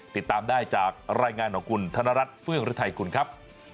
ติดตามได้จากรายงานของคุณธนรัฐเฟื่องฤทัยกุลครับ